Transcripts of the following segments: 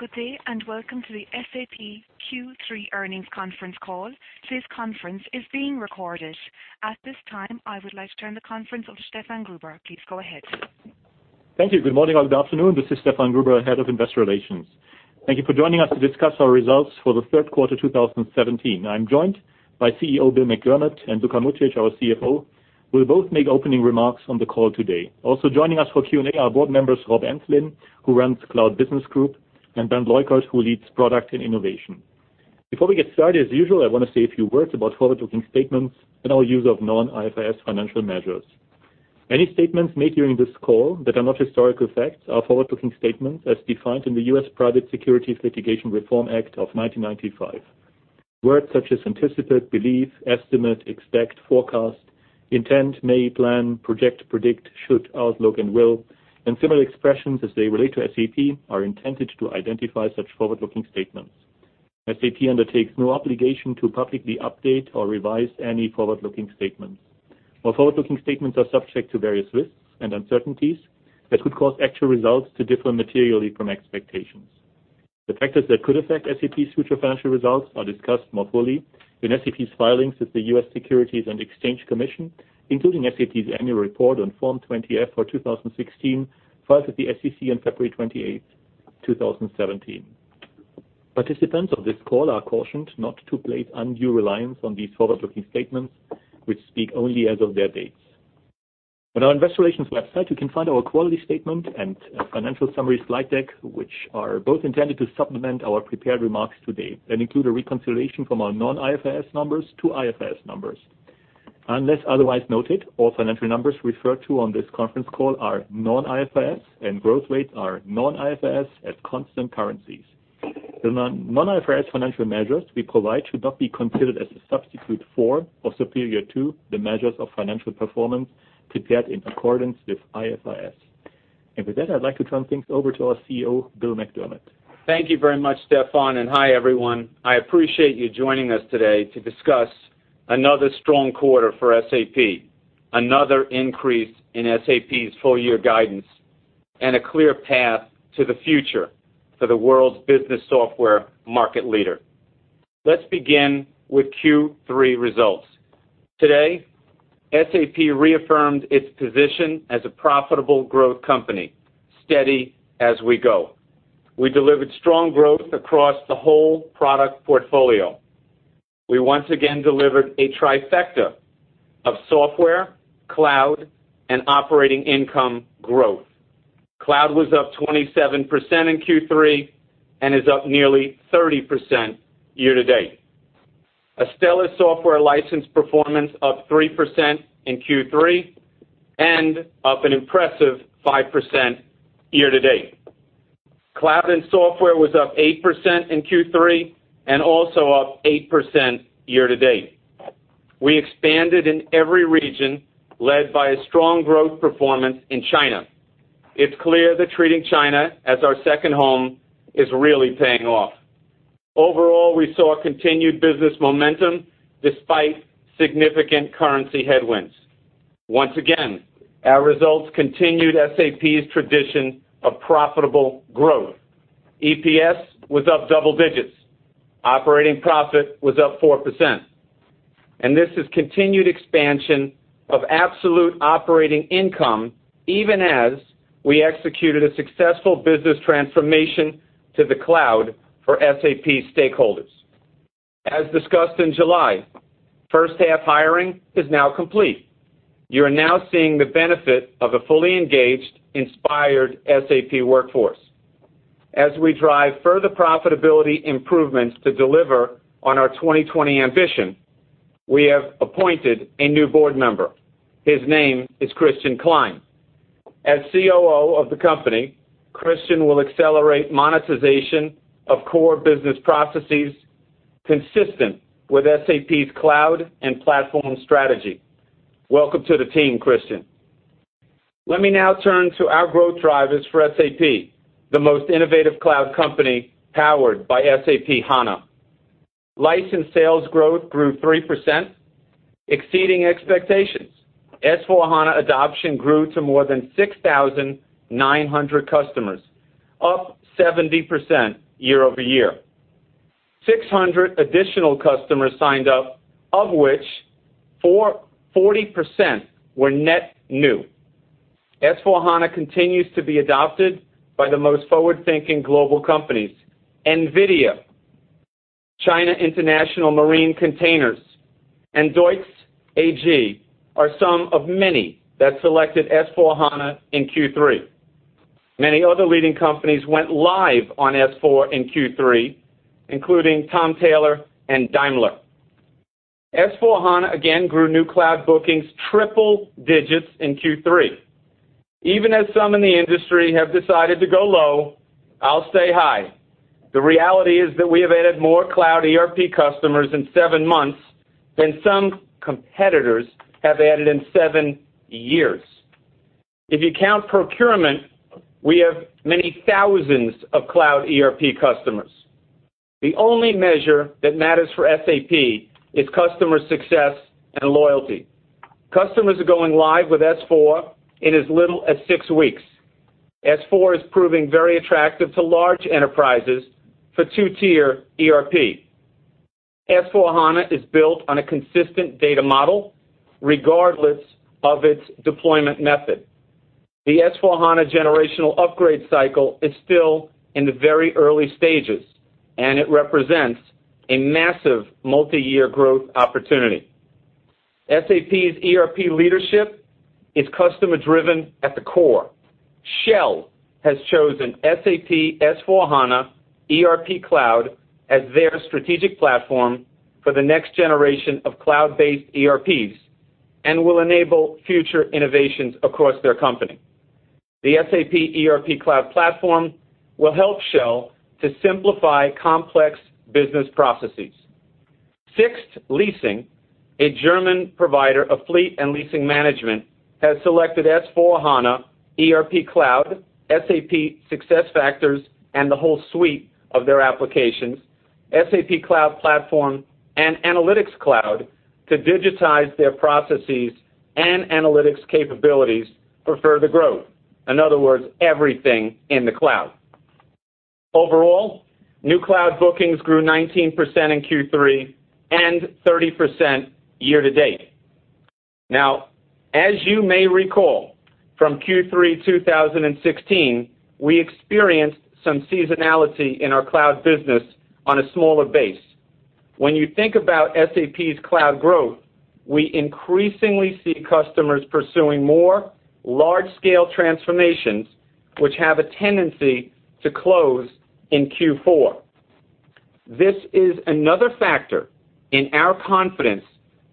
Good day, welcome to the SAP Q3 earnings conference call. Today's conference is being recorded. At this time, I would like to turn the conference over to Stefan Gruber. Please go ahead. Thank you. Good morning, or good afternoon. This is Stefan Gruber, head of investor relations. Thank you for joining us to discuss our results for the third quarter 2017. I am joined by CEO Bill McDermott and Luka Mucic, our CFO, who will both make opening remarks on the call today. Also joining us for Q&A are board members Rob Enslin, who runs the Cloud Business Group, and Bernd Leukert, who leads product and innovation. Before we get started, as usual, I want to say a few words about forward-looking statements and our use of non-IFRS financial measures. Any statements made during this call that are not historical facts are forward-looking statements as defined in the U.S. Private Securities Litigation Reform Act of 1995. Words such as anticipate, believe, estimate, expect, forecast, intend, may, plan, project, predict, should, outlook, and will, similar expressions as they relate to SAP, are intended to identify such forward-looking statements. SAP undertakes no obligation to publicly update or revise any forward-looking statements. While forward-looking statements are subject to various risks and uncertainties that could cause actual results to differ materially from expectations. The factors that could affect SAP's future financial results are discussed more fully in SAP's filings with the U.S. Securities and Exchange Commission, including SAP's annual report on Form 20-F for 2016, filed with the SEC on February 28, 2017. Participants of this call are cautioned not to place undue reliance on these forward-looking statements, which speak only as of their dates. On our investor relations website, you can find our quality statement and financial summary slide deck, which are both intended to supplement our prepared remarks today and include a reconciliation from our non-IFRS numbers to IFRS numbers. Unless otherwise noted, all financial numbers referred to on this conference call are non-IFRS, and growth rates are non-IFRS at constant currencies. The non-IFRS financial measures we provide should not be considered as a substitute for or superior to the measures of financial performance prepared in accordance with IFRS. With that, I'd like to turn things over to our CEO, Bill McDermott. Thank you very much, Stefan, and hi, everyone. I appreciate you joining us today to discuss another strong quarter for SAP, another increase in SAP's full-year guidance, and a clear path to the future for the world's business software market leader. Let's begin with Q3 results. Today, SAP reaffirmed its position as a profitable growth company, steady as we go. We delivered strong growth across the whole product portfolio. We once again delivered a trifecta of software, cloud, and operating income growth. Cloud was up 27% in Q3 and is up nearly 30% year-to-date. A stellar software license performance up 3% in Q3 and up an impressive 5% year-to-date. Cloud and software was up 8% in Q3 and also up 8% year-to-date. We expanded in every region, led by a strong growth performance in China. It's clear that treating China as our second home is really paying off. Overall, we saw continued business momentum despite significant currency headwinds. Once again, our results continued SAP's tradition of profitable growth. EPS was up double digits. Operating profit was up 4%. This is continued expansion of absolute operating income, even as we executed a successful business transformation to the cloud for SAP stakeholders. As discussed in July, first-half hiring is now complete. You're now seeing the benefit of a fully engaged, inspired SAP workforce. As we drive further profitability improvements to deliver on our 2020 ambition, we have appointed a new board member. His name is Christian Klein. As COO of the company, Christian will accelerate monetization of core business processes consistent with SAP's cloud and platform strategy. Welcome to the team, Christian. Let me now turn to our growth drivers for SAP, the most innovative cloud company powered by SAP HANA. License sales growth grew 3%, exceeding expectations. S/4HANA adoption grew to more than 6,900 customers, up 70% year-over-year. 600 additional customers signed up, of which 40% were net new. S/4HANA continues to be adopted by the most forward-thinking global companies. NVIDIA, China International Marine Containers, and Deutsche AG are some of many that selected S/4HANA in Q3. Many other leading companies went live on S/4 in Q3, including Tom Tailor and Daimler. S/4HANA again grew new cloud bookings triple digits in Q3. Even as some in the industry have decided to go low, I'll say hi. The reality is that we have added more cloud ERP customers in seven months than some competitors have added in seven years. If you count procurement, we have many thousands of cloud ERP customers. The only measure that matters for SAP is customer success and loyalty. Customers are going live with S/4 in as little as six weeks. S/4 is proving very attractive to large enterprises for two-tier ERP. S/4HANA is built on a consistent data model, regardless of its deployment method. The S/4HANA generational upgrade cycle is still in the very early stages, and it represents a massive multi-year growth opportunity. SAP's ERP leadership is customer-driven at the core. Shell has chosen SAP S/4HANA ERP Cloud as their strategic platform for the next generation of cloud-based ERPs and will enable future innovations across their company. The SAP ERP Cloud Platform will help Shell to simplify complex business processes. Sixt Leasing, a German provider of fleet and leasing management, has selected S/4HANA ERP Cloud, SAP SuccessFactors, and the whole suite of their applications, SAP Cloud Platform, and SAP Analytics Cloud to digitize their processes and analytics capabilities for further growth. In other words, everything in the cloud. Overall, new cloud bookings grew 19% in Q3 and 30% year-to-date. As you may recall, from Q3 2016, we experienced some seasonality in our cloud business on a smaller base. When you think about SAP's cloud growth, we increasingly see customers pursuing more large-scale transformations, which have a tendency to close in Q4. This is another factor in our confidence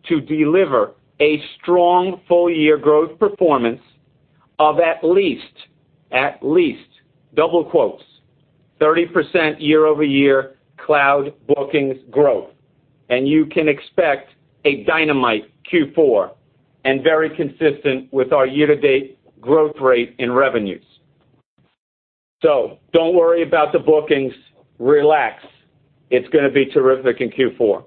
to deliver a strong full-year growth performance of at least 30% year-over-year cloud bookings growth. You can expect a dynamite Q4 and very consistent with our year-to-date growth rate in revenues. Don't worry about the bookings. Relax. It's going to be terrific in Q4.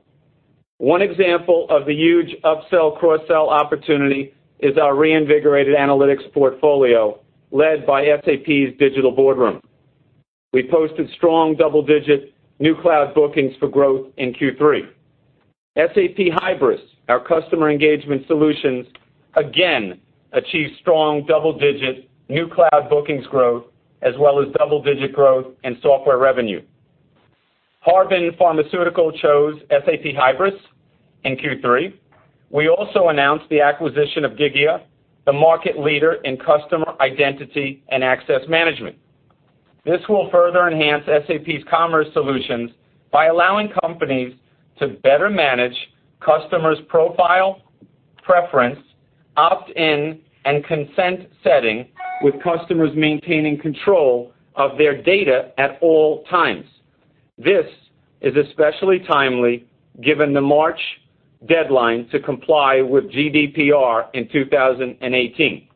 One example of the huge upsell-cross-sell opportunity is our reinvigorated analytics portfolio led by SAP's Digital Boardroom. We posted strong double-digit new cloud bookings for growth in Q3. SAP Hybris, our customer engagement solutions, again achieved strong double-digit new cloud bookings growth as well as double-digit growth in software revenue. Harbin Pharmaceutical chose SAP Hybris in Q3. We also announced the acquisition of Gigya, the market leader in customer identity and access management. This will further enhance SAP's commerce solutions by allowing companies to better manage customers' profile, preference, opt-in, and consent setting with customers maintaining control of their data at all times. This is especially timely given the March deadline to comply with GDPR in 2018.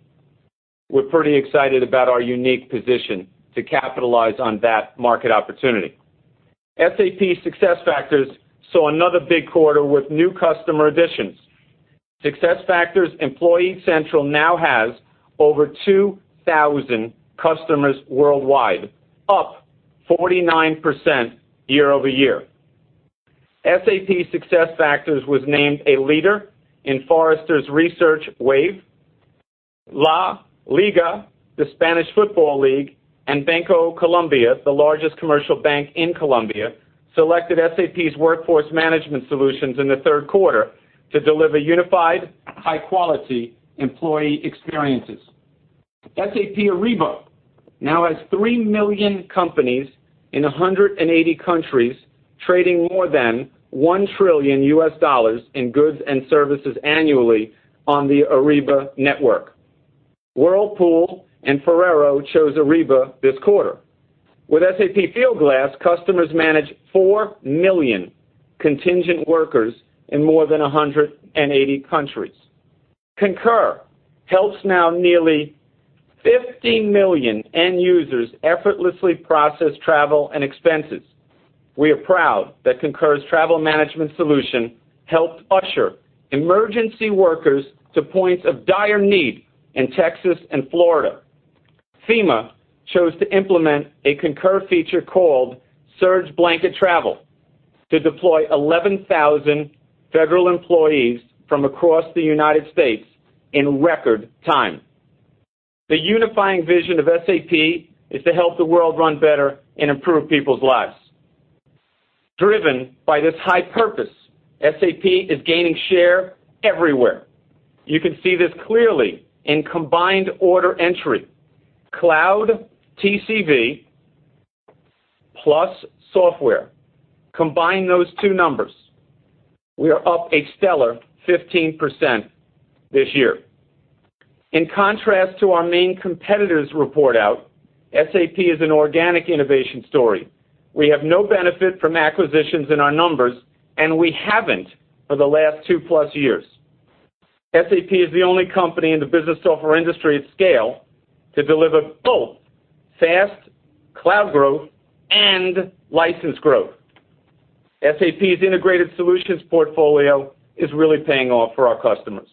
We're pretty excited about our unique position to capitalize on that market opportunity. SAP SuccessFactors saw another big quarter with new customer additions. SAP SuccessFactors Employee Central now has over 2,000 customers worldwide, up 49% year-over-year. SAP SuccessFactors was named a leader in Forrester Wave. LaLiga, the Spanish Football League, and Bancolombia, the largest commercial bank in Colombia, selected SAP's Workforce Management solutions in the third quarter to deliver unified, high-quality employee experiences. SAP Ariba now has 3 million companies in 180 countries trading more than $1 trillion in goods and services annually on the Ariba network. Whirlpool and Ferrero chose Ariba this quarter. With SAP Fieldglass, customers manage 4 million contingent workers in more than 180 countries. SAP Concur helps now nearly 50 million end users effortlessly process travel and expenses. We are proud that SAP Concur's travel management solution helped usher emergency workers to points of dire need in Texas and Florida. FEMA chose to implement a SAP Concur feature called Surge Blanket Travel to deploy 11,000 federal employees from across the U.S. in record time. The unifying vision of SAP is to help the world run better and improve people's lives. Driven by this high purpose, SAP is gaining share everywhere. You can see this clearly in combined order entry, cloud TCV plus software. Combine those two numbers. We are up a stellar 15% this year. In contrast to our main competitor's report out, SAP is an organic innovation story. We have no benefit from acquisitions in our numbers, and we haven't for the last 2-plus years. SAP is the only company in the business software industry at scale to deliver both fast cloud growth and license growth. SAP's integrated solutions portfolio is really paying off for our customers.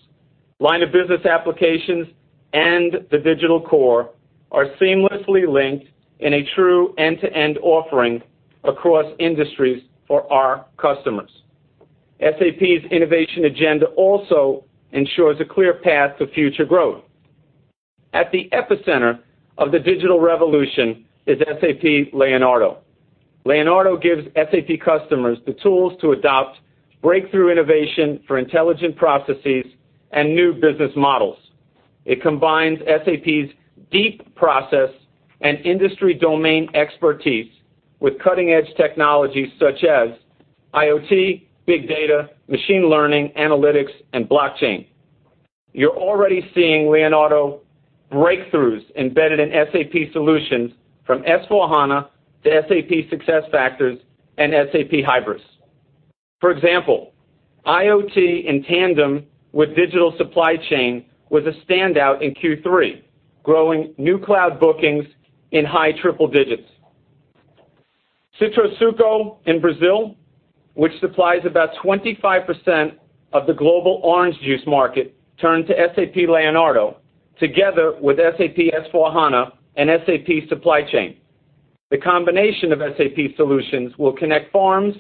Line of business applications and the digital core are seamlessly linked in a true end-to-end offering across industries for our customers. SAP's innovation agenda also ensures a clear path to future growth. At the epicenter of the digital revolution is SAP Leonardo. Leonardo gives SAP customers the tools to adopt breakthrough innovation for intelligent processes and new business models. It combines SAP's deep process and industry domain expertise with cutting-edge technologies such as IoT, big data, machine learning, analytics, and blockchain. You're already seeing Leonardo breakthroughs embedded in SAP solutions from S/4HANA to SAP SuccessFactors and SAP Hybris. For example, IoT in tandem with digital supply chain was a standout in Q3, growing new cloud bookings in high triple digits. Citrosuco in Brazil, which supplies about 25% of the global orange juice market, turned to SAP Leonardo together with SAP S/4HANA and SAP Supply Chain. The combination of SAP solutions will connect farms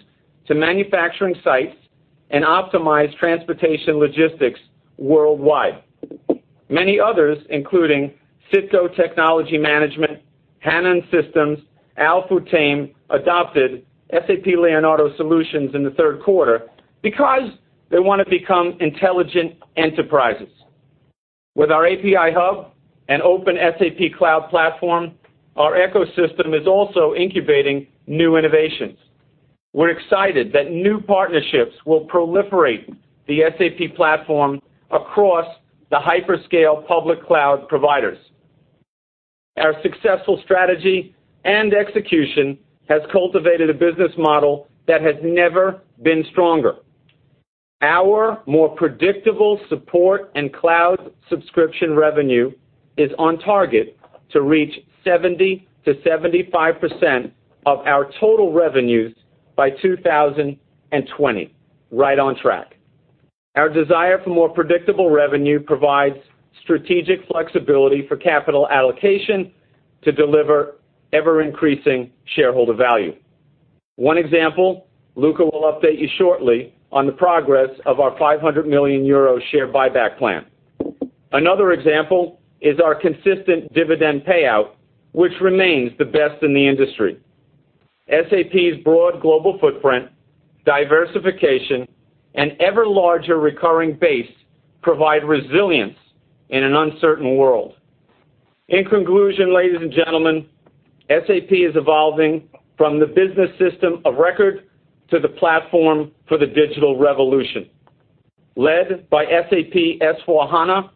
to manufacturing sites and optimize transportation logistics worldwide. Many others, including Cisco Technology Management, Hanon Systems, Al-Futtaim, adopted SAP Leonardo solutions in the third quarter because they want to become intelligent enterprises. With our API hub and open SAP Cloud Platform, our ecosystem is also incubating new innovations. We're excited that new partnerships will proliferate the SAP platform across the hyperscale public cloud providers. Our successful strategy and execution has cultivated a business model that has never been stronger. Our more predictable support and cloud subscription revenue is on target to reach 70%-75% of our total revenues by 2020. Right on track. Our desire for more predictable revenue provides strategic flexibility for capital allocation to deliver ever-increasing shareholder value. One example, Luka will update you shortly on the progress of our 500 million euro share buyback plan. Another example is our consistent dividend payout, which remains the best in the industry. SAP's broad global footprint, diversification, and ever larger recurring base provide resilience in an uncertain world. In conclusion, ladies and gentlemen, SAP is evolving from the business system of record to the platform for the digital revolution. Led by SAP S/4HANA,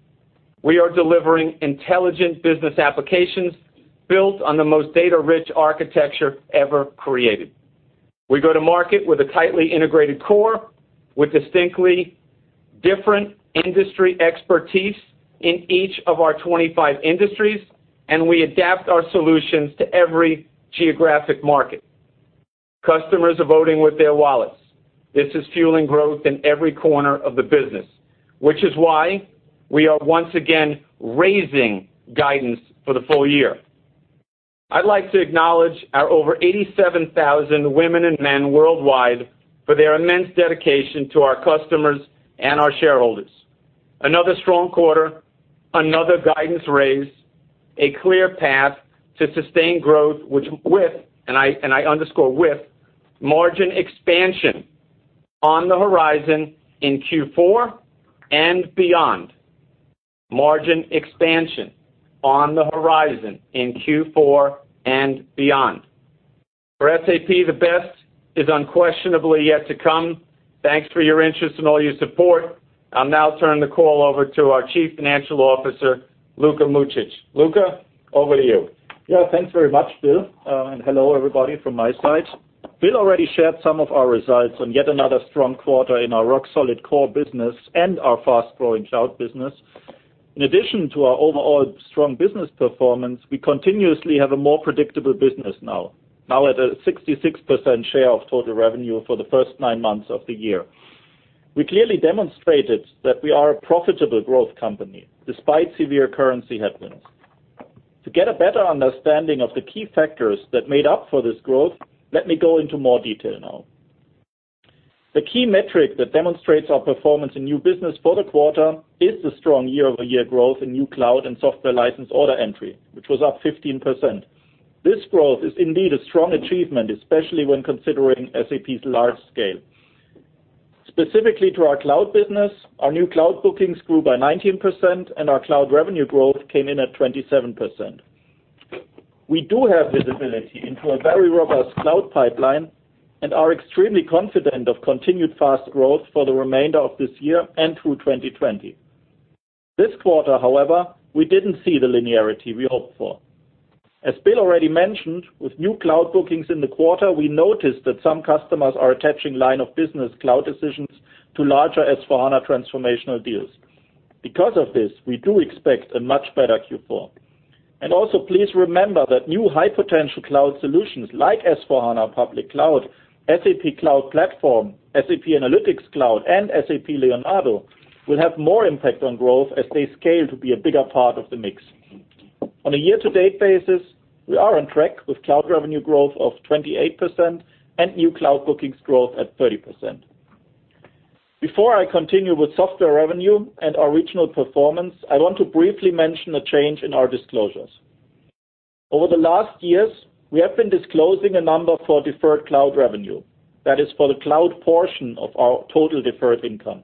we are delivering intelligent business applications built on the most data-rich architecture ever created. We go to market with a tightly integrated core, with distinctly different industry expertise in each of our 25 industries, and we adapt our solutions to every geographic market. Customers are voting with their wallets. This is fueling growth in every corner of the business, which is why we are once again raising guidance for the full year. I'd like to acknowledge our over 87,000 women and men worldwide for their immense dedication to our customers and our shareholders. Another strong quarter, another guidance raise, a clear path to sustained growth with, and I underscore with, margin expansion on the horizon in Q4 and beyond. Margin expansion on the horizon in Q4 and beyond. For SAP, the best is unquestionably yet to come. Thanks for your interest and all your support. I'll now turn the call over to our Chief Financial Officer, Luka Mucic. Luka, over to you. Thanks very much, Bill. Hello, everybody, from my side. Bill already shared some of our results on yet another strong quarter in our rock-solid core business and our fast-growing cloud business. In addition to our overall strong business performance, we continuously have a more predictable business now. Now at a 66% share of total revenue for the first nine months of the year. We clearly demonstrated that we are a profitable growth company despite severe currency headwinds. To get a better understanding of the key factors that made up for this growth, let me go into more detail now. The key metric that demonstrates our performance in new business for the quarter is the strong year-over-year growth in new cloud and software license order entry, which was up 15%. This growth is indeed a strong achievement, especially when considering SAP's large scale. Specifically to our cloud business, our new cloud bookings grew by 19%, and our cloud revenue growth came in at 27%. We do have visibility into a very robust cloud pipeline and are extremely confident of continued fast growth for the remainder of this year and through 2020. This quarter, however, we didn't see the linearity we hoped for. As Bill already mentioned, with new cloud bookings in the quarter, we noticed that some customers are attaching line of business cloud decisions to larger S/4HANA transformational deals. We do expect a much better Q4. Please remember that new high potential cloud solutions like SAP S/4HANA Cloud Public Edition, SAP Cloud Platform, SAP Analytics Cloud, and SAP Leonardo will have more impact on growth as they scale to be a bigger part of the mix. On a year-to-date basis, we are on track with cloud revenue growth of 28% and new cloud bookings growth at 30%. Before I continue with software revenue and our regional performance, I want to briefly mention a change in our disclosures. Over the last years, we have been disclosing a number for deferred cloud revenue. That is for the cloud portion of our total deferred income.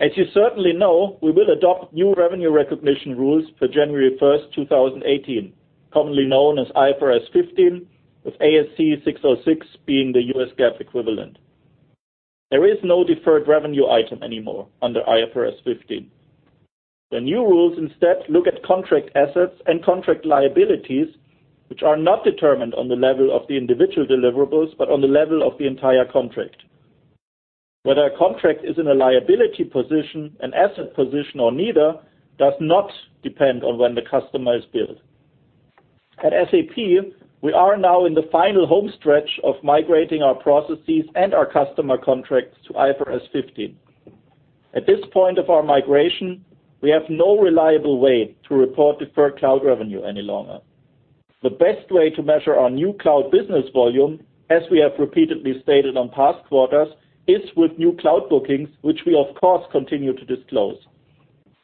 As you certainly know, we will adopt new revenue recognition rules for January 1st, 2018, commonly known as IFRS 15, with ASC 606 being the U.S. GAAP equivalent. There is no deferred revenue item anymore under IFRS 15. The new rules instead look at contract assets and contract liabilities, which are not determined on the level of the individual deliverables, but on the level of the entire contract. Whether a contract is in a liability position, an asset position, or neither, does not depend on when the customer is billed. At SAP, we are now in the final home stretch of migrating our processes and our customer contracts to IFRS 15. At this point of our migration, we have no reliable way to report deferred cloud revenue any longer. The best way to measure our new cloud business volume, as we have repeatedly stated on past quarters, is with new cloud bookings, which we of course continue to disclose.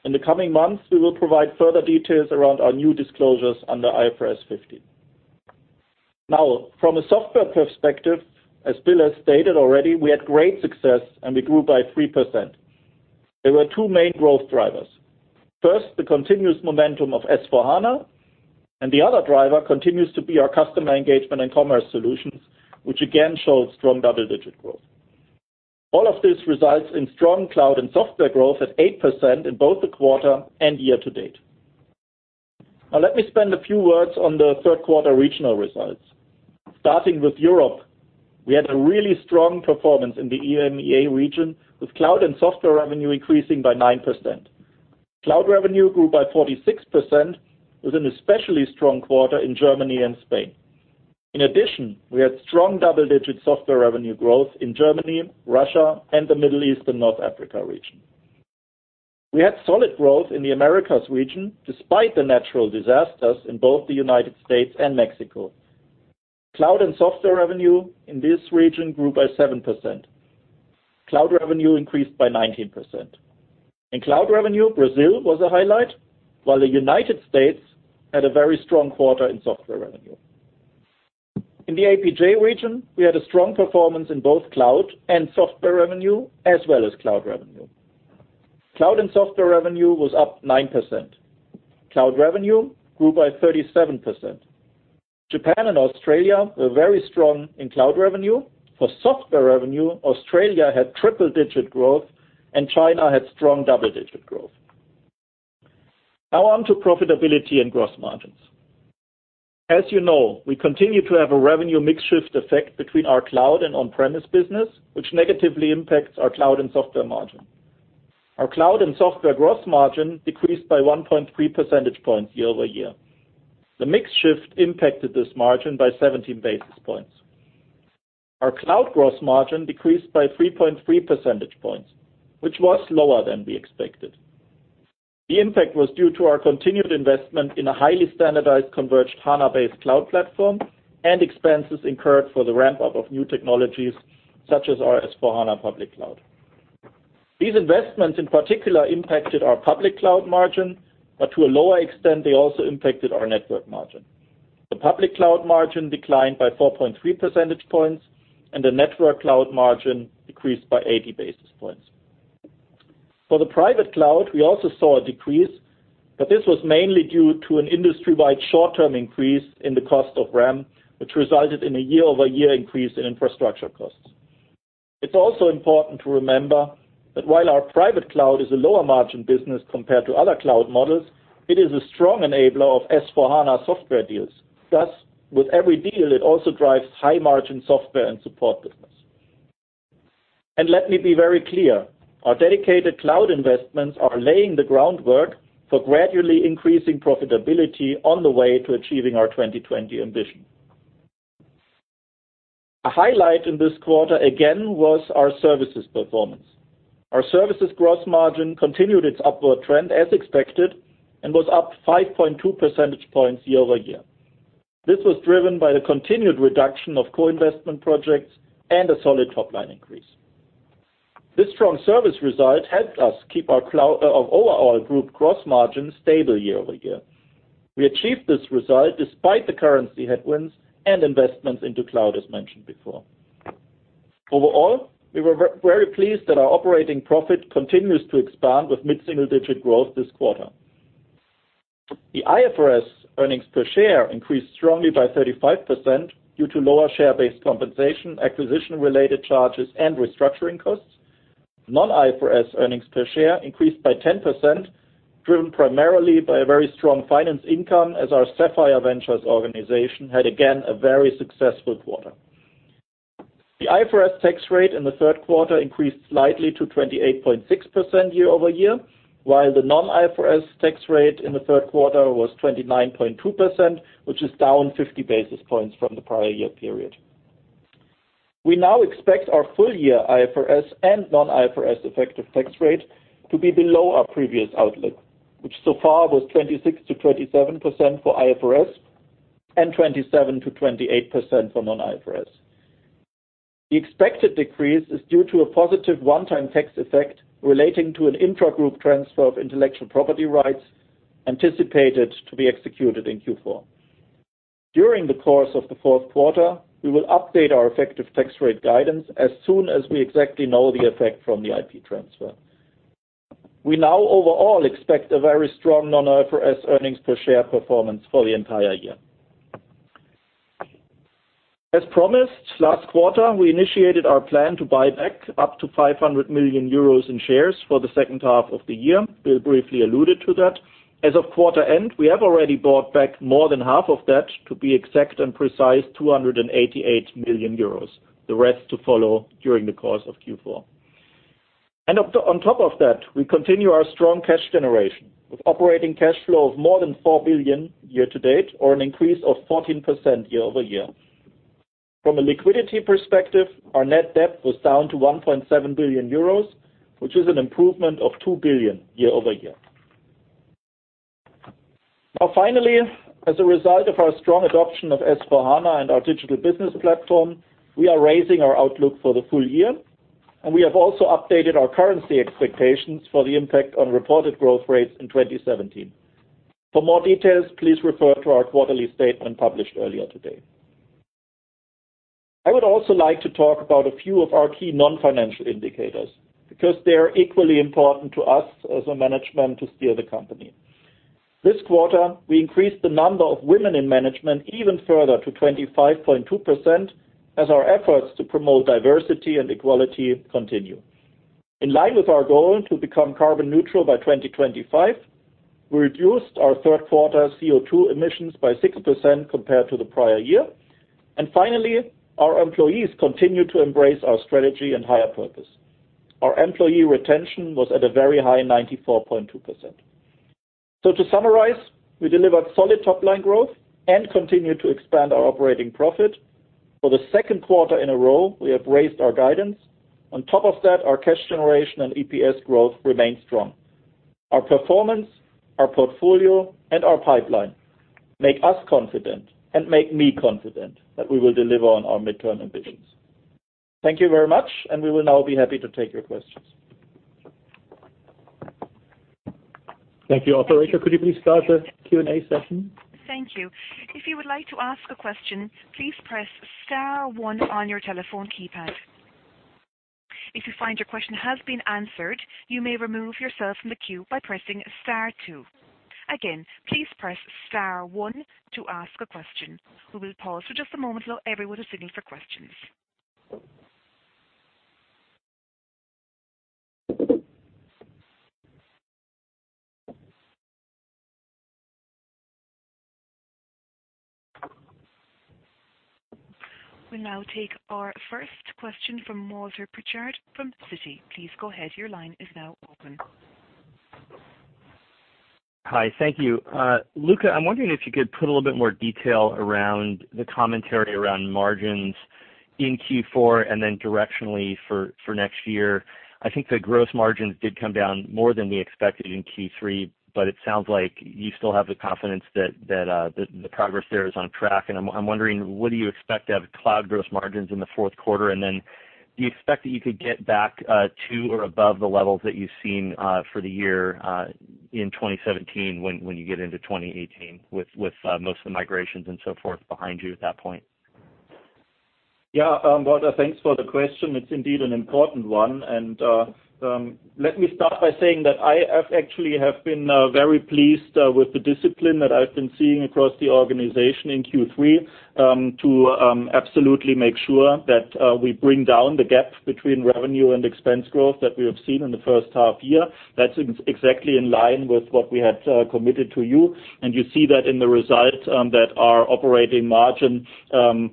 In the coming months, we will provide further details around our new disclosures under IFRS 15. From a software perspective, as Bill has stated already, we had great success and we grew by 3%. There were two main growth drivers. First, the continuous momentum of S/4HANA, and the other driver continues to be our customer engagement and commerce solutions, which again showed strong double-digit growth. All of this results in strong cloud and software growth at 8% in both the quarter and year to date. Now let me spend a few words on the third quarter regional results. Starting with Europe, we had a really strong performance in the EMEA region, with cloud and software revenue increasing by 9%. Cloud revenue grew by 46%, with an especially strong quarter in Germany and Spain. In addition, we had strong double-digit software revenue growth in Germany, Russia, and the Middle East and North Africa region. We had solid growth in the Americas region, despite the natural disasters in both the U.S. and Mexico. Cloud and software revenue in this region grew by 7%. Cloud revenue increased by 19%. In cloud revenue, Brazil was a highlight, while the U.S. had a very strong quarter in software revenue. In the APJ region, we had a strong performance in both cloud and software revenue, as well as cloud revenue. Cloud and software revenue was up 9%. Cloud revenue grew by 37%. Japan and Australia were very strong in cloud revenue. For software revenue, Australia had triple-digit growth, and China had strong double-digit growth. Now on to profitability and gross margins. As you know, we continue to have a revenue mix shift effect between our cloud and on-premise business, which negatively impacts our cloud and software margin. Our cloud and software gross margin decreased by 1.3 percentage points year-over-year. The mix shift impacted this margin by 17 basis points. Our cloud gross margin decreased by 3.3 percentage points, which was lower than we expected. The impact was due to our continued investment in a highly standardized converged HANA-based cloud platform and expenses incurred for the ramp-up of new technologies, such as our S/4HANA Public Cloud. These investments in particular impacted our public cloud margin, but to a lower extent, they also impacted our network margin. The public cloud margin declined by 4.3 percentage points, and the network cloud margin decreased by 80 basis points. For the private cloud, we also saw a decrease, but this was mainly due to an industry-wide short-term increase in the cost of RAM, which resulted in a year-over-year increase in infrastructure costs. It's also important to remember that while our private cloud is a lower margin business compared to other cloud models, it is a strong enabler of S/4HANA software deals. Thus, with every deal, it also drives high margin software and support business. Let me be very clear, our dedicated cloud investments are laying the groundwork for gradually increasing profitability on the way to achieving our 2020 ambition. A highlight in this quarter, again, was our services performance. Our services gross margin continued its upward trend as expected and was up 5.2 percentage points year-over-year. This was driven by the continued reduction of co-investment projects and a solid top-line increase. This strong service result helped us keep our overall group gross margin stable year-over-year. We achieved this result despite the currency headwinds and investments into cloud, as mentioned before. Overall, we were very pleased that our operating profit continues to expand with mid-single-digit growth this quarter. The IFRS earnings per share increased strongly by 35% due to lower share-based compensation, acquisition-related charges, and restructuring costs. Non-IFRS earnings per share increased by 10%, driven primarily by a very strong finance income as our Sapphire Ventures organization had, again, a very successful quarter. The IFRS tax rate in the third quarter increased slightly to 28.6% year-over-year, while the non-IFRS tax rate in the third quarter was 29.2%, which is down 50 basis points from the prior year period. We now expect our full year IFRS and non-IFRS effective tax rate to be below our previous outlook, which so far was 26%-27% for IFRS and 27%-28% for non-IFRS. The expected decrease is due to a positive one-time tax effect relating to an intragroup transfer of intellectual property rights anticipated to be executed in Q4. During the course of the fourth quarter, we will update our effective tax rate guidance as soon as we exactly know the effect from the IP transfer. We now overall expect a very strong non-IFRS earnings per share performance for the entire year. As promised, last quarter we initiated our plan to buy back up to 500 million euros in shares for the second half of the year. Bill briefly alluded to that. As of quarter end, we have already bought back more than half of that, to be exact and precise, 288 million euros, the rest to follow during the course of Q4. On top of that, we continue our strong cash generation with operating cash flow of more than 4 billion year to date, or an increase of 14% year-over-year. From a liquidity perspective, our net debt was down to 1.7 billion euros, which is an improvement of 2 billion year-over-year. Finally, as a result of our strong adoption of S/4HANA and our digital business platform, we are raising our outlook for the full year, and we have also updated our currency expectations for the impact on reported growth rates in 2017. For more details, please refer to our quarterly statement published earlier today. I would also like to talk about a few of our key non-financial indicators, because they are equally important to us as a management to steer the company. This quarter, we increased the number of women in management even further to 25.2% as our efforts to promote diversity and equality continue. In line with our goal to become carbon neutral by 2025, we reduced our third quarter CO2 emissions by 6% compared to the prior year. Finally, our employees continue to embrace our strategy and higher purpose. Our employee retention was at a very high 94.2%. To summarize, we delivered solid top-line growth and continued to expand our operating profit. For the second quarter in a row, we have raised our guidance. On top of that, our cash generation and EPS growth remain strong. Our performance, our portfolio, and our pipeline make us confident and make me confident that we will deliver on our midterm ambitions. Thank you very much, and we will now be happy to take your questions. Thank you. Operator, could you please start the Q&A session? Thank you. If you would like to ask a question, please press star 1 on your telephone keypad. If you find your question has been answered, you may remove yourself from the queue by pressing star 2. Again, please press star 1 to ask a question. We will pause for just a moment while everyone is signaling for questions. We now take our first question from Walter Pritchard from Citi. Please go ahead. Your line is now open. Hi. Thank you. Luka, I'm wondering if you could put a little bit more detail around the commentary around margins in Q4 and then directionally for next year. I think the gross margins did come down more than we expected in Q3, but it sounds like you still have the confidence that the progress there is on track. And I'm wondering, what do you expect to have cloud gross margins in the fourth quarter? And then do you expect that you could get back to or above the levels that you've seen for the year in 2017 when you get into 2018 with most of the migrations and so forth behind you at that point? Yeah. Walter, thanks for the question. It's indeed an important one. Let me start by saying that I actually have been very pleased with the discipline that I've been seeing across the organization in Q3 to absolutely make sure that we bring down the gap between revenue and expense growth that we have seen in the first half year. That's exactly in line with what we had committed to you, and you see that in the results that our operating margin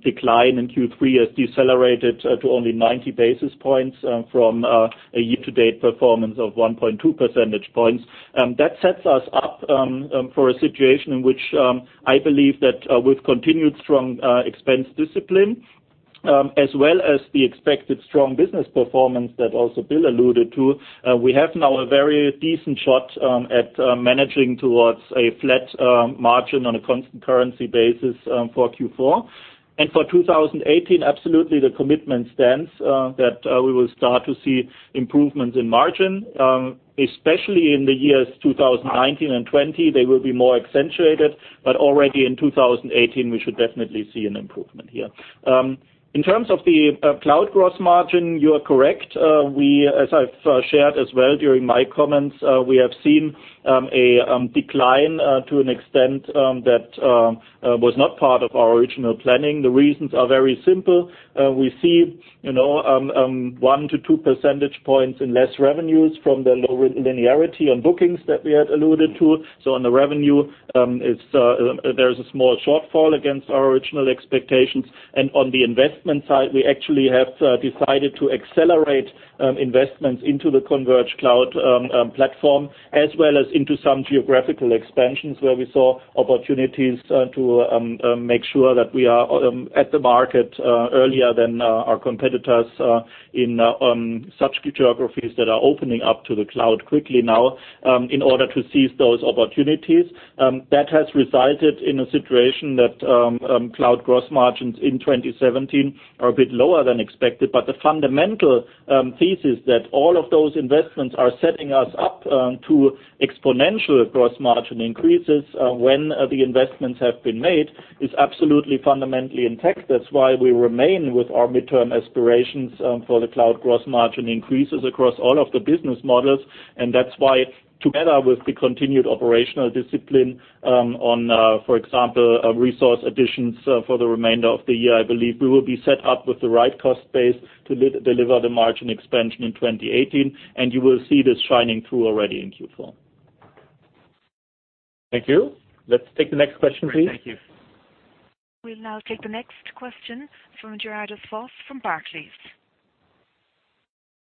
decline in Q3 has decelerated to only 90 basis points from a year-to-date performance of 1.2 percentage points. That sets us up for a situation in which I believe that with continued strong expense discipline as well as the expected strong business performance that also Bill alluded to, we have now a very decent shot at managing towards a flat margin on a constant currency basis for Q4. For 2018, absolutely the commitment stands that we will start to see improvements in margin. Especially in the years 2019 and 2020, they will be more accentuated. But already in 2018, we should definitely see an improvement here. In terms of the cloud gross margin, you are correct. As I've shared as well during my comments, we have seen a decline to an extent that was not part of our original planning. The reasons are very simple. We see 1 to 2 percentage points in less revenues from the lower linearity on bookings that we had alluded to. So on the revenue, there is a small shortfall against our original expectations. On the investment side, we actually have decided to accelerate investments into the converged cloud platform, as well as into some geographical expansions where we saw opportunities to make sure that we are at the market earlier than our competitors in such geographies that are opening up to the cloud quickly now, in order to seize those opportunities. That has resulted in a situation that cloud gross margins in 2017 are a bit lower than expected. The fundamental thesis that all of those investments are setting us up to exponential gross margin increases when the investments have been made, is absolutely fundamentally intact. That's why we remain with our midterm aspirations for the cloud gross margin increases across all of the business models. That's why together with the continued operational discipline on, for example, resource additions for the remainder of the year, I believe we will be set up with the right cost base to deliver the margin expansion in 2018. You will see this shining through already in Q4. Thank you. Let's take the next question, please. Thank you. We'll now take the next question from Gerardus Vos from Barclays.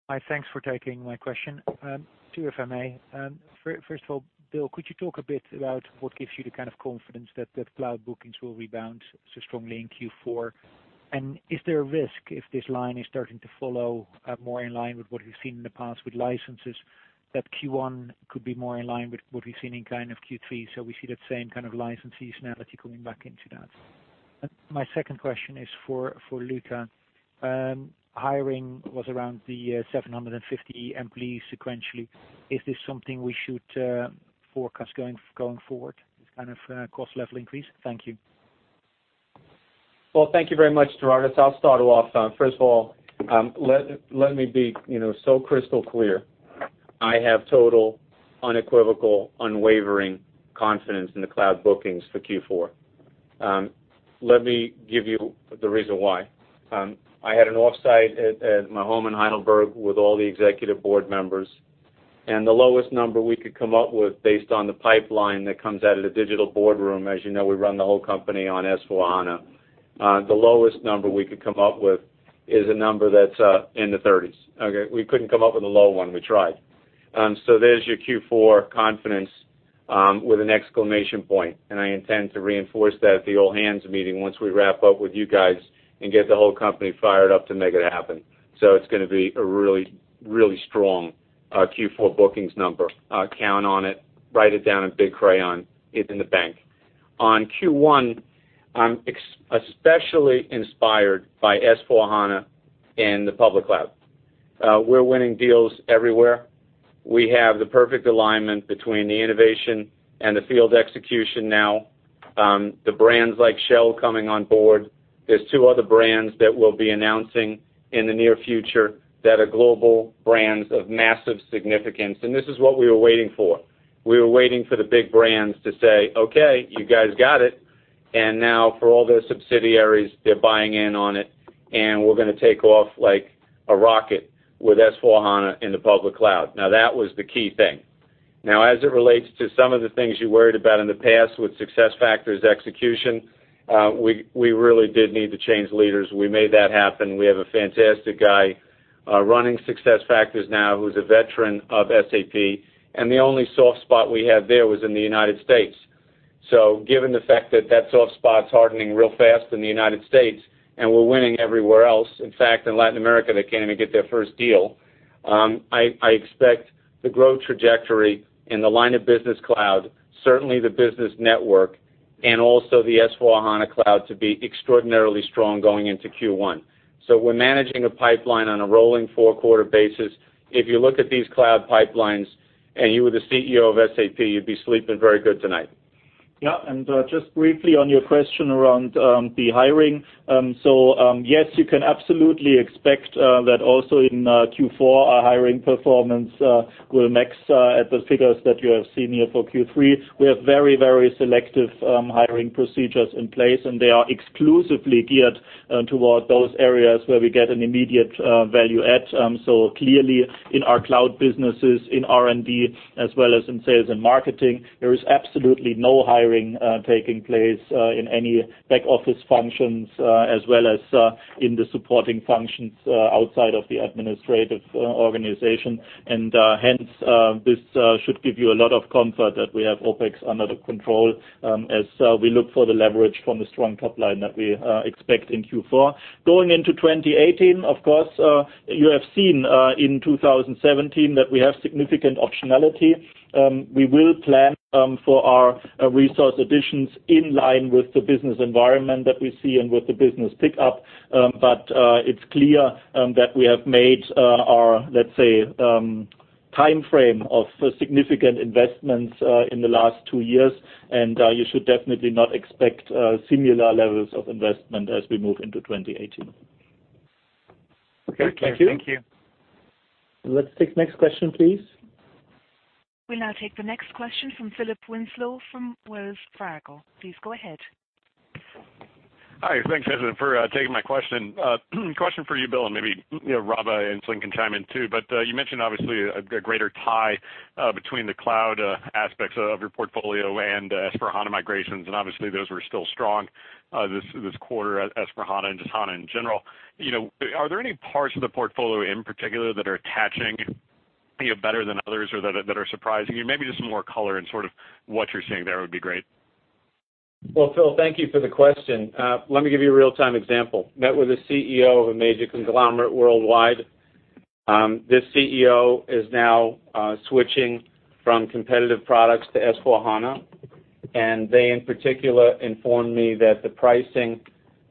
Hi, thanks for taking my question. Two if I may. First of all, Bill, could you talk a bit about what gives you the kind of confidence that cloud bookings will rebound so strongly in Q4? Is there a risk if this line is starting to follow more in line with what we've seen in the past with licenses, that Q1 could be more in line with what we've seen in kind of Q3, so we see that same kind of license seasonality coming back into that? My second question is for Luka. Hiring was around the 750 employees sequentially. Is this something we should forecast going forward, this kind of cost level increase? Thank you. Thank you very much, Gerardus. I'll start off. First of all, let me be so crystal clear. I have total, unequivocal, unwavering confidence in the cloud bookings for Q4. Let me give you the reason why. I had an offsite at my home in Heidelberg with all the Executive Board Members. The lowest number we could come up with based on the pipeline that comes out of the SAP Digital Boardroom, as you know, we run the whole company on S/4HANA. The lowest number we could come up with is a number that's in the 30s. Okay? We couldn't come up with a low one. We tried. There's your Q4 confidence, with an exclamation point. I intend to reinforce that at the all-hands meeting once we wrap up with you guys and get the whole company fired up to make it happen. It's going to be a really strong Q4 bookings number. Count on it. Write it down in big crayon. It's in the bank. On Q1, I'm especially inspired by S/4HANA in the public cloud. We're winning deals everywhere. We have the perfect alignment between the innovation and the field execution now. The brands like Shell coming on board. There's two other brands that we'll be announcing in the near future that are global brands of massive significance, and this is what we were waiting for. We were waiting for the big brands to say, "Okay, you guys got it." Now for all their subsidiaries, they're buying in on it, and we're going to take off like a rocket with S/4HANA in the public cloud. That was the key thing. As it relates to some of the things you worried about in the past with SAP SuccessFactors execution, we really did need to change leaders. We made that happen. We have a fantastic guy running SAP SuccessFactors now, who's a veteran of SAP. The only soft spot we had there was in the United States. Given the fact that that soft spot's hardening real fast in the United States, and we're winning everywhere else, in fact, in Latin America, they can't even get their first deal. I expect the growth trajectory in the line of business cloud, certainly the business network, and also the S/4HANA Cloud to be extraordinarily strong going into Q1. We're managing a pipeline on a rolling four-quarter basis. If you look at these cloud pipelines and you were the CEO of SAP, you'd be sleeping very good tonight. Just briefly on your question around the hiring. Yes, you can absolutely expect that also in Q4, our hiring performance will max at the figures that you have seen here for Q3. We have very selective hiring procedures in place, and they are exclusively geared toward those areas where we get an immediate value add. Clearly in our cloud businesses, in R&D, as well as in sales and marketing, there is absolutely no hiring taking place in any back-office functions, as well as in the supporting functions outside of the administrative organization. Hence, this should give you a lot of comfort that we have OpEx under the control, as we look for the leverage from the strong top line that we expect in Q4. Going into 2018, of course, you have seen in 2017 that we have significant optionality. We will plan for our resource additions in line with the business environment that we see and with the business pickup. It's clear that we have made our, let's say, timeframe of significant investments in the last two years, and you should definitely not expect similar levels of investment as we move into 2018. Okay. Thank you. Thank you. Let's take next question, please. We'll now take the next question from Philip Winslow from Wells Fargo. Please go ahead. Hi. Thanks for taking my question. Question for you, Bill, and maybe Rob and Rob Enslin can chime in too, but you mentioned obviously a greater tie between the cloud aspects of your portfolio and S/4HANA migrations, and obviously those were still strong this quarter, S/4HANA and just HANA in general. Are there any parts of the portfolio in particular that are attaching better than others or that are surprising you? Maybe just some more color in sort of what you're seeing there would be great. Well, Phil, thank you for the question. Let me give you a real-time example. Met with a CEO of a major conglomerate worldwide. This CEO is now switching from competitive products to S/4HANA, and they in particular informed me that the pricing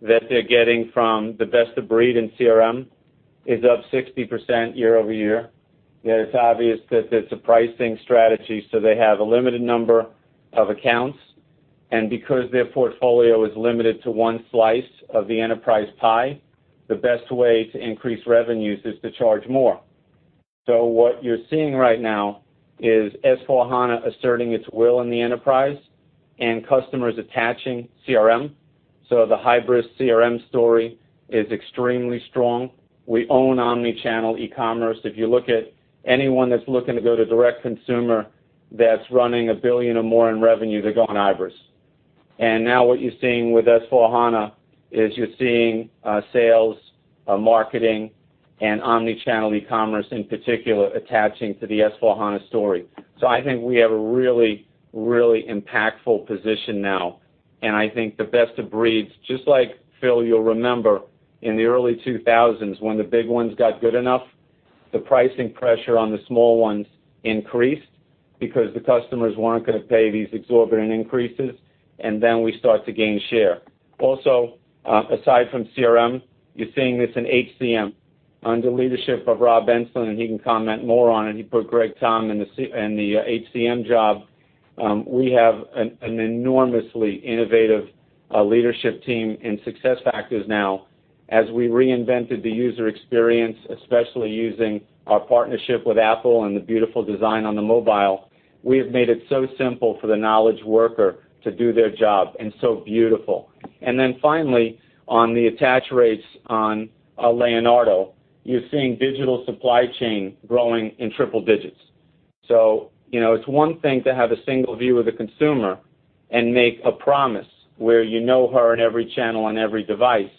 that they're getting from the best-of-breed in CRM is up 60% year-over-year. It's obvious that it's a pricing strategy, so they have a limited number of accounts, and because their portfolio is limited to one slice of the enterprise pie, the best way to increase revenues is to charge more. What you're seeing right now is S/4HANA asserting its will in the enterprise and customers attaching CRM. The Hybris CRM story is extremely strong. We own omni-channel e-commerce. If you look at anyone that's looking to go to direct consumer that's running 1 billion or more in revenue, they're going Hybris. Now what you're seeing with S/4HANA is you're seeing sales, marketing, and omni-channel e-commerce in particular attaching to the S/4HANA story. I think we have a really impactful position now, and I think the best of breeds, just like Phil, you'll remember in the early 2000s when the big ones got good enough, the pricing pressure on the small ones increased because the customers weren't going to pay these exorbitant increases, and then we start to gain share. Aside from CRM, you're seeing this in HCM. Under leadership of Rob Enslin, and he can comment more on it, he put Greg Tomb in the HCM job. We have an enormously innovative leadership team in SuccessFactors now. As we reinvented the user experience, especially using our partnership with Apple and the beautiful design on the mobile, we have made it so simple for the knowledge worker to do their job, and so beautiful. Then finally, on the attach rates on Leonardo, you're seeing digital supply chain growing in triple digits. It's one thing to have a single view of the consumer and make a promise where you know her in every channel on every device,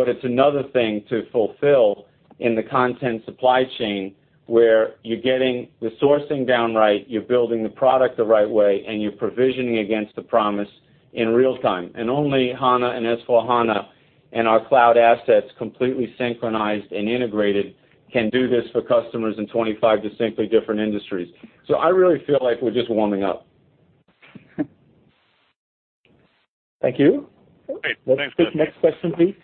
but it's another thing to fulfill in the content supply chain where you're getting the sourcing down right, you're building the product the right way, and you're provisioning against the promise in real time. Only HANA and S/4HANA and our cloud assets completely synchronized and integrated can do this for customers in 25 distinctly different industries. I really feel like we're just warming up. Thank you. Great. Thanks, Bill. Let's take next question, please.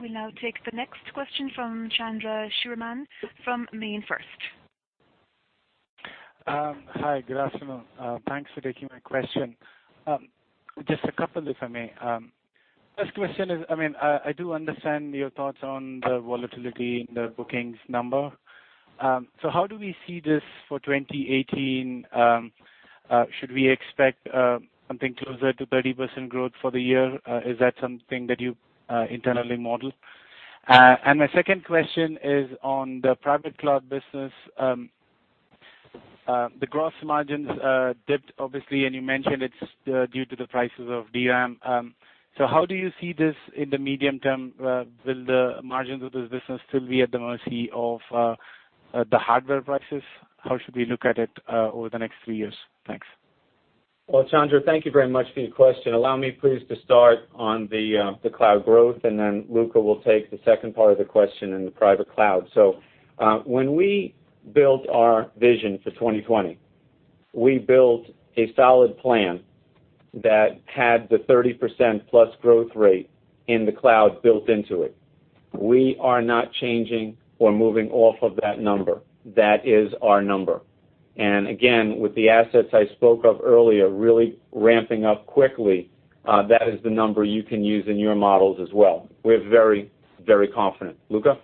We now take the next question from Chandra Shiroman from MainFirst. Hi, good afternoon. Thanks for taking my question. Just a couple, if I may. First question is, I do understand your thoughts on the volatility in the bookings number. How do we see this for 2018? Should we expect something closer to 30% growth for the year? Is that something that you internally model? My second question is on the private cloud business. The gross margins dipped, obviously, and you mentioned it's due to the prices of DRAM. How do you see this in the medium term? Will the margins of this business still be at the mercy of the hardware prices? How should we look at it over the next three years? Thanks. Well, Chandra, thank you very much for your question. Allow me, please, to start on the cloud growth, Luka will take the second part of the question in the private cloud. When we built our vision for 2020, we built a solid plan that had the 30% plus growth rate in the cloud built into it. We are not changing or moving off of that number. That is our number. Again, with the assets I spoke of earlier really ramping up quickly, that is the number you can use in your models as well. We're very confident. Luka?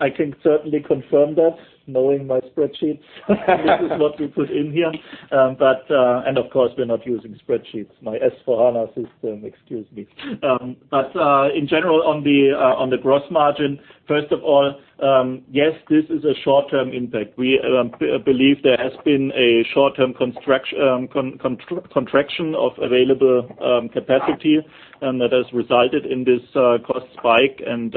I can certainly confirm that, knowing my spreadsheets, this is what we put in here. Of course, we're not using spreadsheets. My S/4HANA system, excuse me. In general, on the gross margin, first of all, yes, this is a short-term impact. We believe there has been a short-term contraction of available capacity, and that has resulted in this cost spike, and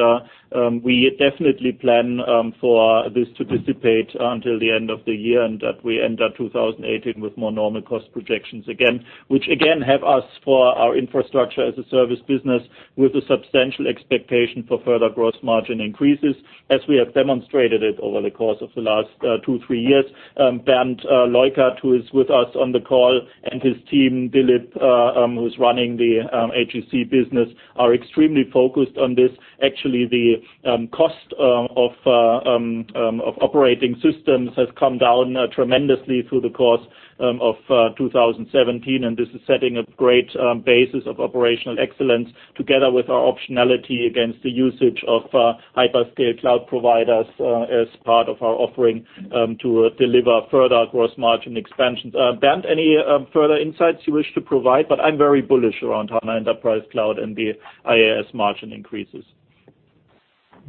we definitely plan for this to dissipate until the end of the year, and that we end up 2018 with more normal cost projections again. Which again, have us for our infrastructure as a service business with a substantial expectation for further gross margin increases As we have demonstrated it over the course of the last two, three years. Bernd Leukert, who is with us on the call, and his team, Dilip, who's running the HEC business, are extremely focused on this. Actually, the cost of operating systems has come down tremendously through the course of 2017, and this is setting a great basis of operational excellence together with our optionality against the usage of hyperscale cloud providers as part of our offering to deliver further gross margin expansions. Bernd, any further insights you wish to provide? I'm very bullish around SAP HANA Enterprise Cloud and the IaaS margin increases.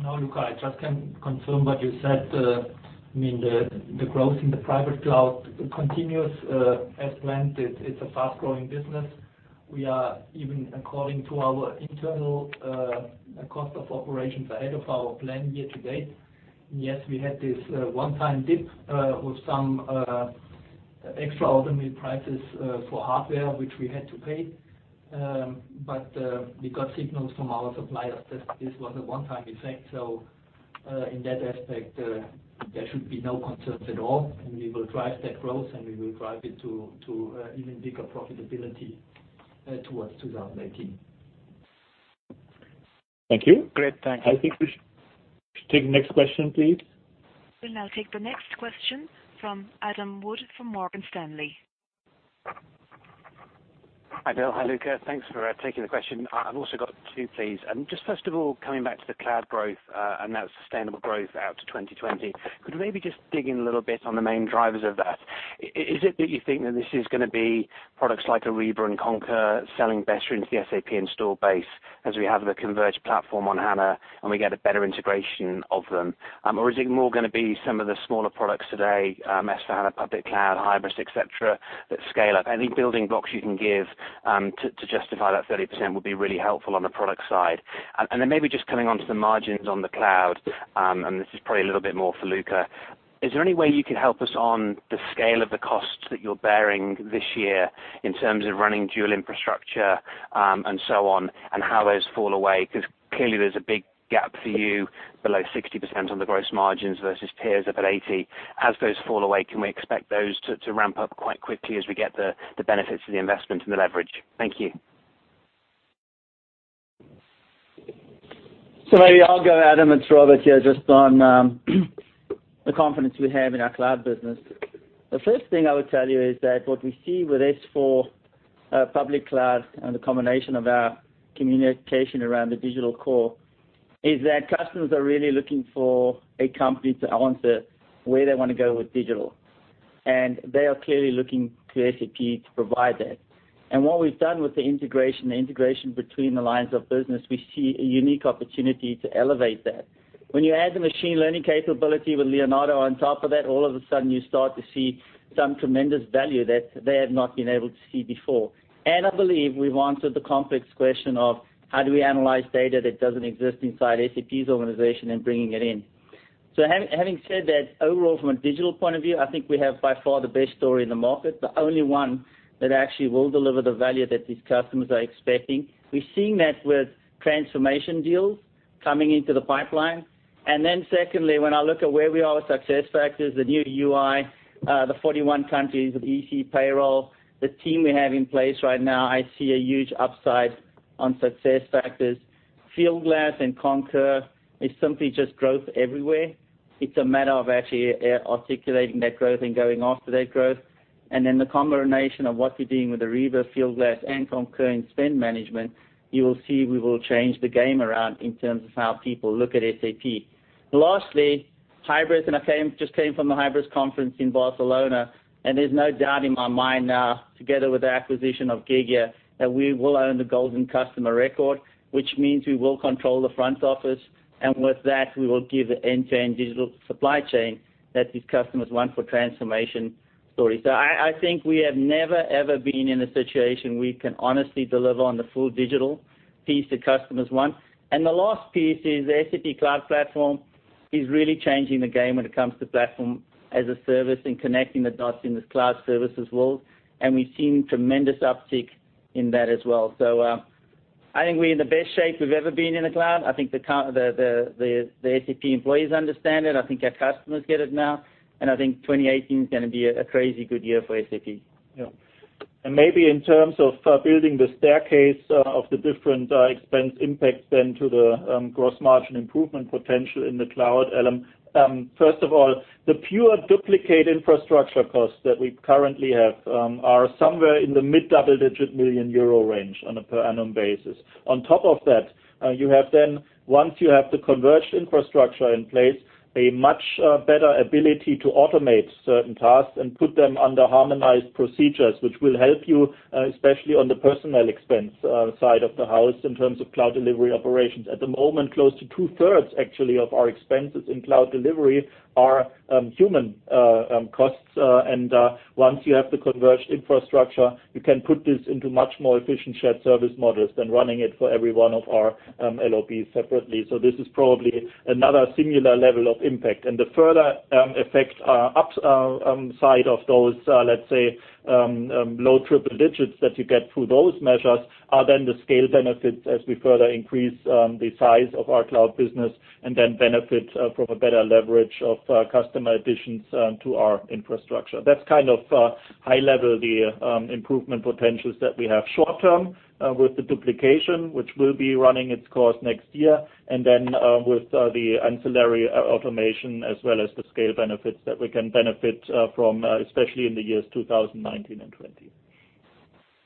No, Luka, I just can confirm what you said. The growth in the private cloud continues as planned. It's a fast-growing business. We are even according to our internal cost of operations ahead of our plan year to date. We had this one-time dip with some extraordinary prices for hardware, which we had to pay. We got signals from our suppliers that this was a one-time effect. In that aspect, there should be no concerns at all, and we will drive that growth, and we will drive it to even bigger profitability towards 2018. Thank you. Great. Thanks. I think we should take the next question, please. We will now take the next question from Adam Wood from Morgan Stanley. Hi, Bill. Hi, Luka. Thanks for taking the question. I have also got two, please. Just first of all, coming back to the cloud growth, and now sustainable growth out to 2020, could you maybe just dig in a little bit on the main drivers of that? Is it that you think that this is going to be products like SAP Ariba and SAP Concur selling best into the SAP install base as we have a converged platform on SAP HANA, and we get a better integration of them? Or is it more going to be some of the smaller products today, S/4HANA, Public Cloud, SAP Hybris, et cetera, that scale up? Any building blocks you can give to justify that 30% would be really helpful on the product side. Then maybe just coming onto the margins on the cloud, and this is probably a little bit more for Luka. Is there any way you could help us on the scale of the costs that you're bearing this year in terms of running dual infrastructure, and so on, and how those fall away? Clearly there's a big gap for you below 60% on the gross margins versus peers up at 80%. As those fall away, can we expect those to ramp up quite quickly as we get the benefits of the investment and the leverage? Thank you. Maybe I'll go, Adam Wood. It's Robert here. Just on the confidence we have in our cloud business. The first thing I would tell you is that what we see with S/4 public cloud and the combination of our communication around the digital core is that customers are really looking for a company to answer where they want to go with digital. They are clearly looking to SAP to provide that. What we've done with the integration between the lines of business, we see a unique opportunity to elevate that. When you add the machine learning capability with SAP Leonardo on top of that, all of a sudden you start to see some tremendous value that they have not been able to see before. I believe we've answered the complex question of how do we analyze data that doesn't exist inside SAP's organization and bringing it in. Having said that, overall from a digital point of view, I think we have by far the best story in the market, the only one that actually will deliver the value that these customers are expecting. We're seeing that with transformation deals coming into the pipeline. Secondly, when I look at where we are with SAP SuccessFactors, the new UI, the 41 countries with SAP SuccessFactors Employee Central Payroll, the team we have in place right now, I see a huge upside on SAP SuccessFactors. SAP Fieldglass and SAP Concur is simply just growth everywhere. It's a matter of actually articulating that growth and going after that growth. The combination of what we're doing with SAP Ariba, SAP Fieldglass, and SAP Concur in spend management, you will see we will change the game around in terms of how people look at SAP. Lastly, SAP Hybris. I just came from the SAP Hybris conference in Barcelona. There's no doubt in my mind now, together with the acquisition of Gigya, that we will own the golden customer record, which means we will control the front office. With that, we will give the end-to-end digital supply chain that these customers want for transformation story. I think we have never, ever been in a situation we can honestly deliver on the full digital piece the customers want. The last piece is the SAP Cloud Platform is really changing the game when it comes to platform-as-a-service and connecting the dots in this cloud services world. We've seen tremendous uptick in that as well. I think we're in the best shape we've ever been in the cloud. I think the SAP employees understand it. I think our customers get it now. I think 2018 is going to be a crazy good year for SAP. Yeah. Maybe in terms of building the staircase of the different expense impacts then to the gross margin improvement potential in the cloud, Adam. First of all, the pure duplicate infrastructure costs that we currently have are somewhere in the mid-double-digit million EUR range on a per annum basis. On top of that, you have then, once you have the converged infrastructure in place, a much better ability to automate certain tasks and put them under harmonized procedures, which will help you, especially on the personnel expense side of the house in terms of cloud delivery operations. At the moment, close to two-thirds actually of our expenses in cloud delivery are human costs. Once you have the converged infrastructure, you can put this into much more efficient shared service models than running it for every one of our LOBs separately. This is probably another similar level of impact. The further effect upside of those, let's say, low triple digits that you get through those measures are then the scale benefits as we further increase the size of our cloud business and then benefit from a better leverage of customer additions to our infrastructure. That's kind of high level, the improvement potentials that we have short term with the duplication, which will be running its course next year, and then with the ancillary automation as well as the scale benefits that we can benefit from, especially in the years 2019 and 2020.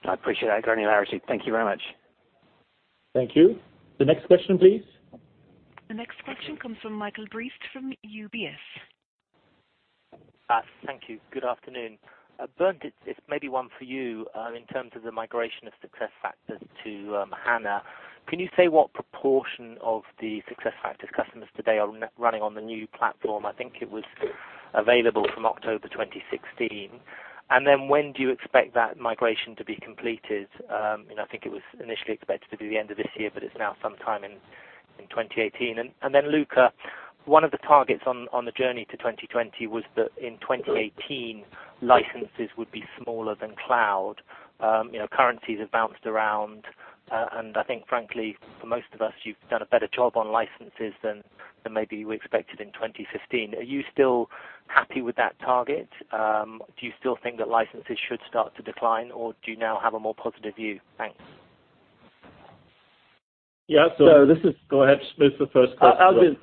I appreciate that, Luka Mucic. Thank you very much. Thank you. The next question, please. The next question comes from Michael Briest from UBS. Thank you. Good afternoon. Bernd, it's maybe one for you in terms of the migration of SuccessFactors to HANA. Can you say what proportion of the SuccessFactors customers today are running on the new platform? I think it was available from October 2016. When do you expect that migration to be completed? I think it was initially expected to be the end of this year, but it's now sometime in 2018. Luka, one of the targets on the journey to 2020 was that in 2018, licenses would be smaller than cloud. Currencies have bounced around, and I think frankly, for most of us, you've done a better job on licenses than maybe we expected in 2015. Are you still happy with that target? Do you still think that licenses should start to decline, or do you now have a more positive view? Thanks. Yeah. Go ahead, since it's the first question. I'll do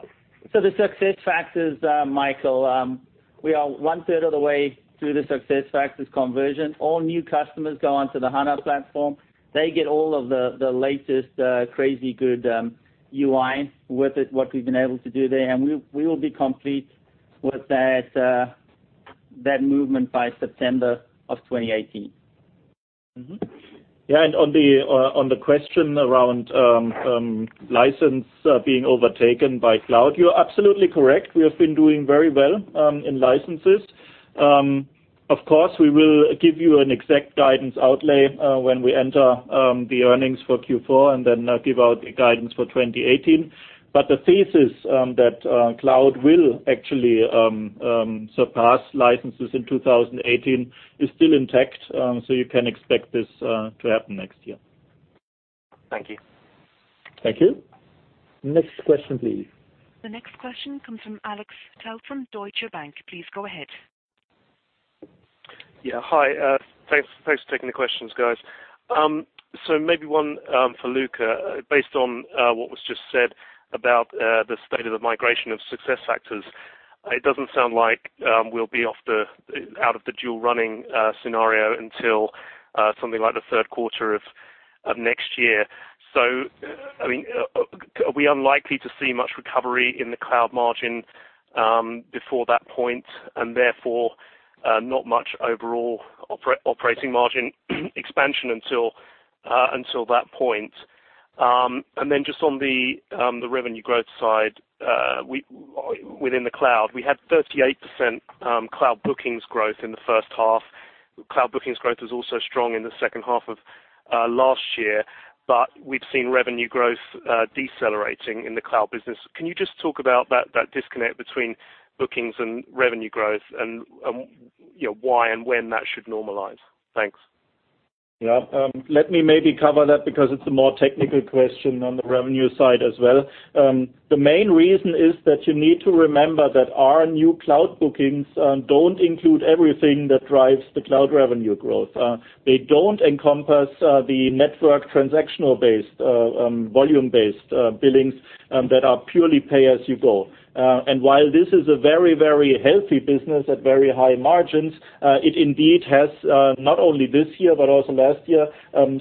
it. The SuccessFactors, Michael, we are one third of the way through the SuccessFactors conversion. All new customers go onto the HANA platform. They get all of the latest crazy good UI with it, what we've been able to do there, and we will be complete with that movement by September of 2018. On the question around license being overtaken by cloud, you're absolutely correct. We have been doing very well in licenses. Of course, we will give you an exact guidance outlay when we enter the earnings for Q4 and give out the guidance for 2018. The thesis that cloud will actually surpass licenses in 2018 is still intact, you can expect this to happen next year. Thank you. Thank you. Next question, please. The next question comes from Alex Zukin from Deutsche Bank. Please go ahead. Yeah. Hi. Thanks for taking the questions, guys. Maybe one for Luka. Based on what was just said about the state of the migration of SuccessFactors, it doesn't sound like we'll be out of the dual-running scenario until something like the third quarter of next year. Are we unlikely to see much recovery in the cloud margin before that point, and therefore not much overall operating margin expansion until that point? Just on the revenue growth side within the cloud, we had 38% cloud bookings growth in the first half. Cloud bookings growth was also strong in the second half of last year, we've seen revenue growth decelerating in the cloud business. Can you just talk about that disconnect between bookings and revenue growth, and why and when that should normalize? Thanks. Yeah. Let me maybe cover that because it's a more technical question on the revenue side as well. The main reason is that you need to remember that our new cloud bookings don't include everything that drives the cloud revenue growth. They don't encompass the network transactional-based, volume-based billings that are purely pay-as-you-go. While this is a very healthy business at very high margins, it indeed has, not only this year but also last year,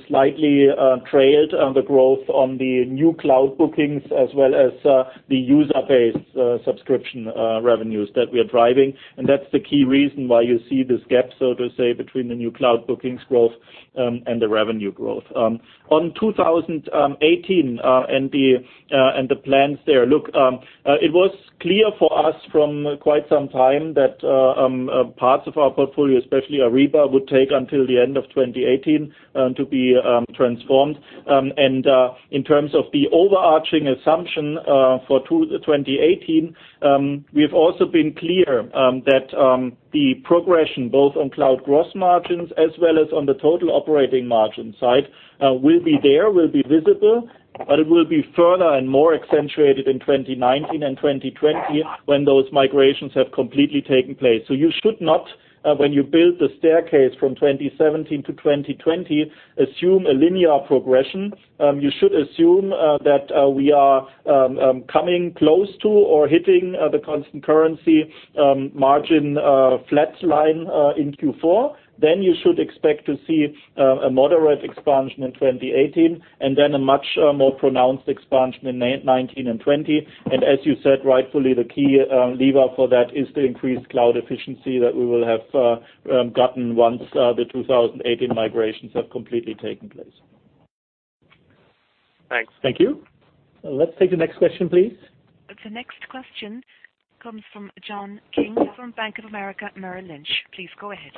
slightly trailed the growth on the new cloud bookings as well as the user-based subscription revenues that we are driving. That's the key reason why you see this gap, so to say, between the new cloud bookings growth and the revenue growth. On 2018 and the plans there, look, it was clear for us from quite some time that parts of our portfolio, especially Ariba, would take until the end of 2018 to be transformed. In terms of the overarching assumption for 2018, we've also been clear that the progression, both on cloud gross margins as well as on the total operating margin side will be there, will be visible, but it will be further and more accentuated in 2019 and 2020 when those migrations have completely taken place. You should not, when you build the staircase from 2017 to 2020, assume a linear progression. You should assume that we are coming close to or hitting the constant currency margin flat line in Q4. You should expect to see a moderate expansion in 2018, a much more pronounced expansion in 2019 and 2020. As you said, rightfully, the key lever for that is the increased cloud efficiency that we will have gotten once the 2018 migrations have completely taken place. Thanks. Thank you. Let's take the next question, please. The next question comes from John King from Bank of America Merrill Lynch. Please go ahead.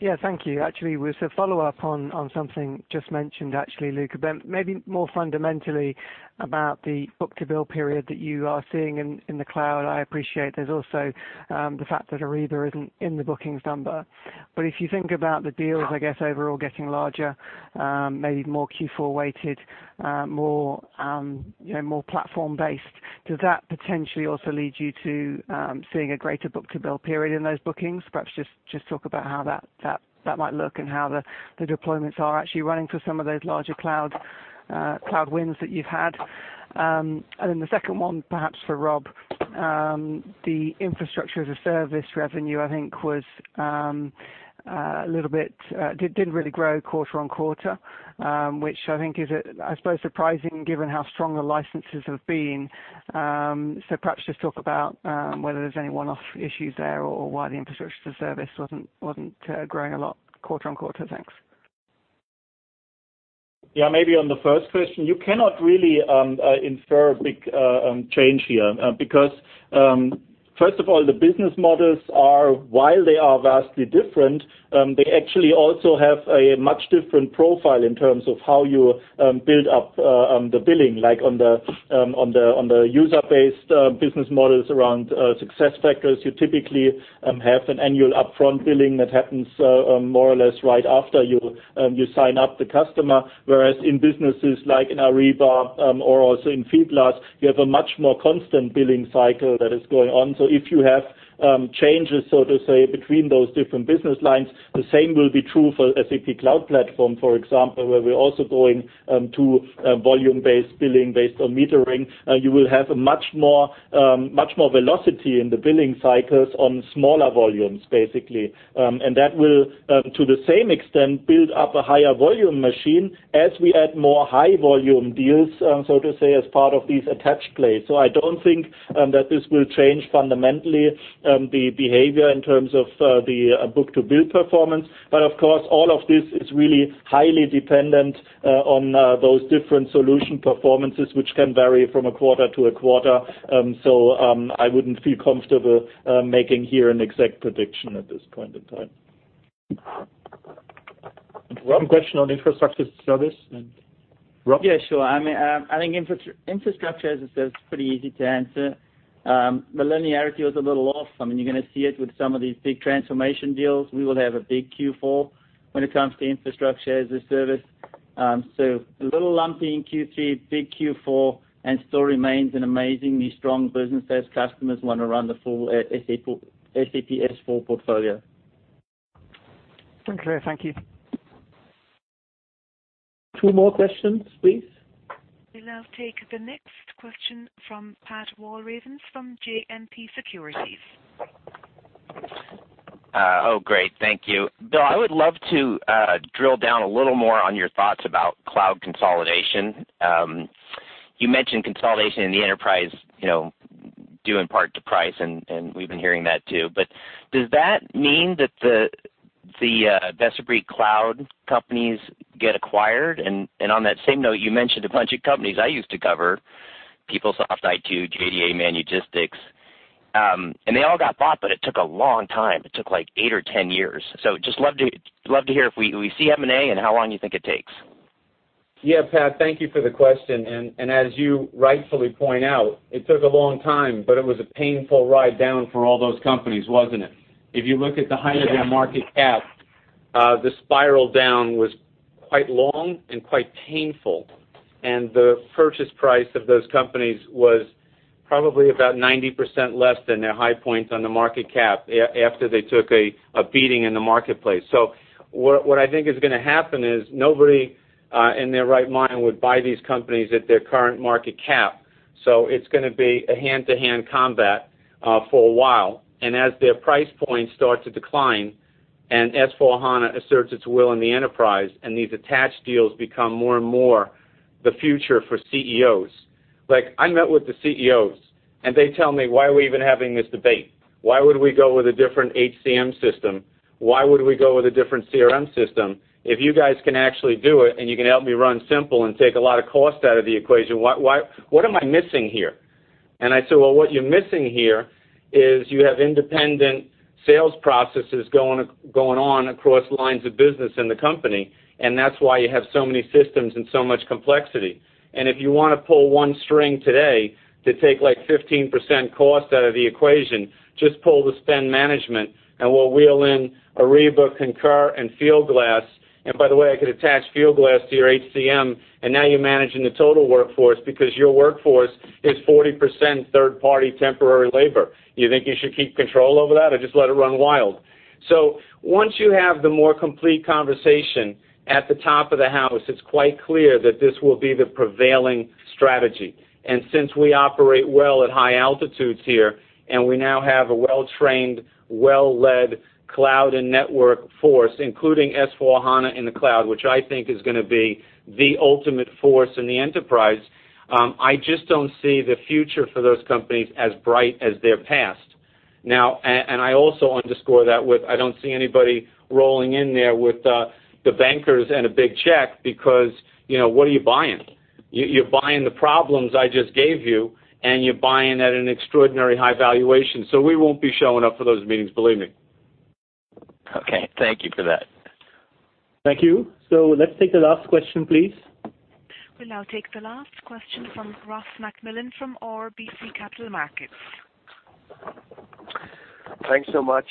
Yeah, thank you. Actually, it was a follow-up on something just mentioned, actually, Luka, but maybe more fundamentally about the book-to-bill period that you are seeing in the cloud. I appreciate there's also the fact that Ariba isn't in the bookings number. If you think about the deals, I guess, overall getting larger, maybe more Q4 weighted, more platform based, does that potentially also lead you to seeing a greater book-to-bill period in those bookings? Perhaps just talk about how that might look and how the deployments are actually running for some of those larger cloud wins that you've had. The second one, perhaps for Rob. The infrastructure as a service revenue, I think, didn't really grow quarter-on-quarter, which I think is, I suppose, surprising given how strong the licenses have been. Perhaps just talk about whether there is any one-off issues there or why the infrastructure as a service wasn't growing a lot quarter-on-quarter. Thanks. Yeah, maybe on the first question, you cannot really infer a big change here. First of all, the business models are, while they are vastly different, they actually also have a much different profile in terms of how you build up the billing. On the user-based business models around SAP SuccessFactors, you typically have an annual upfront billing that happens more or less right after you sign up the customer. Whereas in businesses like in SAP Ariba, or also in SAP Fieldglass, you have a much more constant billing cycle that is going on. If you have changes, so to say, between those different business lines, the same will be true for SAP Cloud Platform, for example, where we're also going to volume-based billing based on metering. You will have much more velocity in the billing cycles on smaller volumes, basically. That will, to the same extent, build up a higher-volume machine as we add more high-volume deals, so to say, as part of these attached plays. I don't think that this will change fundamentally, the behavior in terms of the book-to-bill performance. Of course, all of this is really highly dependent on those different solution performances, which can vary from a quarter-to-quarter. I wouldn't feel comfortable making here an exact prediction at this point in time. One question on infrastructure as a service. Rob? Yeah, sure. I think infrastructure as a service is pretty easy to answer. The linearity was a little off. You're going to see it with some of these big transformation deals. We will have a big Q4 when it comes to infrastructure as a service. A little lumpy in Q3, big Q4, and still remains an amazingly strong business as customers want to run the full SAP S/4 portfolio. Clear. Thank you. Two more questions, please. We'll now take the next question from Pat Walravens from JMP Securities. Oh, great. Thank you. Bill, I would love to drill down a little more on your thoughts about cloud consolidation. You mentioned consolidation in the enterprise, due in part to price, and we've been hearing that, too. Does that mean that the best-of-breed cloud companies get acquired? On that same note, you mentioned a bunch of companies I used to cover, PeopleSoft, i2, JDA, Manugistics. They all got bought, but it took a long time. It took, like, eight or 10 years. Just love to hear if we see M&A and how long you think it takes. Yeah, Pat, thank you for the question. As you rightfully point out, it took a long time, but it was a painful ride down for all those companies, wasn't it? If you look at the height of their market cap, the spiral down was quite long and quite painful. The purchase price of those companies was probably about 90% less than their high points on the market cap, after they took a beating in the marketplace. What I think is going to happen is, nobody in their right mind would buy these companies at their current market cap. It's going to be a hand-to-hand combat for a while. As their price points start to decline, and S/4HANA asserts its will in the enterprise, and these attached deals become more and more the future for CEOs. I met with the CEOs, and they tell me, "Why are we even having this debate? Why would we go with a different HCM system? Why would we go with a different CRM system? If you guys can actually do it and you can help me run simple and take a lot of cost out of the equation, what am I missing here?" I said, "Well, what you're missing here is you have independent sales processes going on across lines of business in the company, and that's why you have so many systems and so much complexity. If you want to pull one string today to take, like, 15% cost out of the equation, just pull the spend management, and we'll wheel in Ariba, Concur, and Fieldglass. By the way, I could attach Fieldglass to your HCM, and now you're managing the total workforce because your workforce is 40% third-party temporary labor. You think you should keep control over that or just let it run wild?" Once you have the more complete conversation at the top of the house, it's quite clear that this will be the prevailing strategy. Since we operate well at high altitudes here, and we now have a well-trained, well-led cloud and network force, including S/4HANA in the cloud, which I think is going to be the ultimate force in the enterprise, I just don't see the future for those companies as bright as their past. I also underscore that with, I don't see anybody rolling in there with the bankers and a big check because what are you buying? You're buying the problems I just gave you, and you're buying at an extraordinarily high valuation. We won't be showing up for those meetings, believe me. Okay. Thank you for that. Thank you. Let's take the last question, please. We'll now take the last question from Ross MacMillan from RBC Capital Markets. Thanks so much.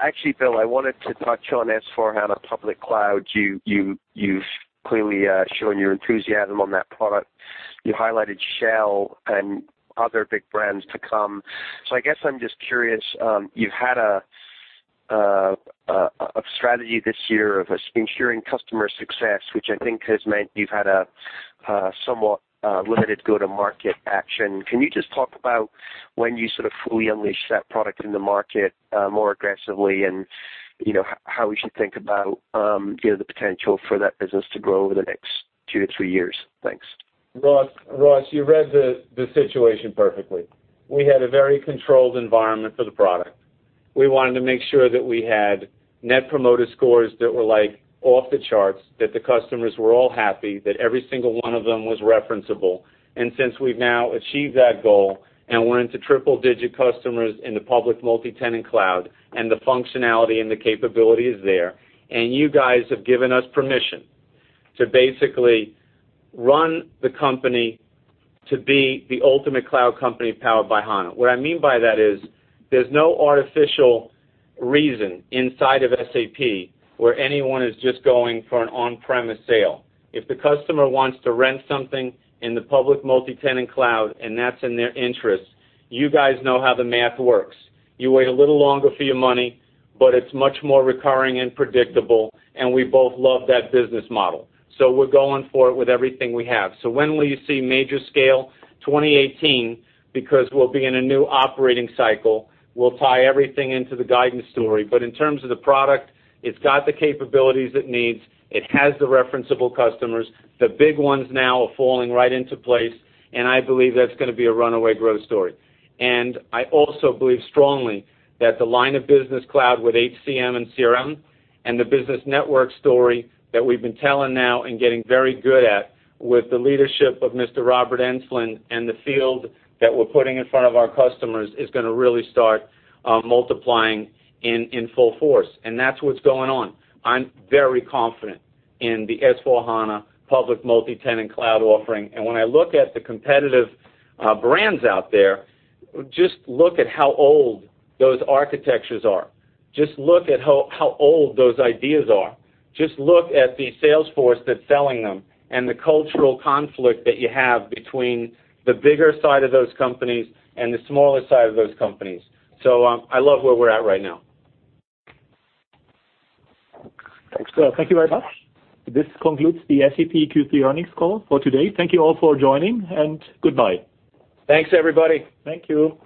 Actually, Bill, I wanted to touch on S/4HANA Public Cloud. You've clearly shown your enthusiasm on that product. You highlighted Shell and other big brands to come. I guess I'm just curious, you've had a of strategy this year of ensuring customer success, which I think has meant you've had a somewhat limited go-to-market action. Can you just talk about when you sort of fully unleash that product in the market more aggressively and how we should think about the potential for that business to grow over the next two to three years? Thanks. Ross, you read the situation perfectly. We had a very controlled environment for the product. We wanted to make sure that we had net promoter scores that were off the charts, that the customers were all happy, that every single one of them was referenceable. Since we've now achieved that goal and we're into triple-digit customers in the public multi-tenant cloud, and the functionality and the capability is there, and you guys have given us permission to basically run the company to be the ultimate cloud company powered by HANA. What I mean by that is there's no artificial reason inside of SAP where anyone is just going for an on-premise sale. If the customer wants to rent something in the public multi-tenant cloud and that's in their interest, you guys know how the math works. You wait a little longer for your money, it's much more recurring and predictable, and we both love that business model. We're going for it with everything we have. When will you see major scale? 2018, because we'll be in a new operating cycle. We'll tie everything into the guidance story. In terms of the product, it's got the capabilities it needs. It has the referenceable customers. The big ones now are falling right into place, and I believe that's going to be a runaway growth story. I also believe strongly that the line of business cloud with HCM and CRM and the business network story that we've been telling now and getting very good at with the leadership of Mr. Robert Enslin and the field that we're putting in front of our customers is going to really start multiplying in full force. That's what's going on. I'm very confident in the S/4HANA public multi-tenant cloud offering. When I look at the competitive brands out there, just look at how old those architectures are. Just look at how old those ideas are. Just look at the sales force that's selling them and the cultural conflict that you have between the bigger side of those companies and the smaller side of those companies. I love where we're at right now. Thanks. Thank you very much. This concludes the SAP Q3 earnings call for today. Thank you all for joining, and goodbye. Thanks, everybody. Thank you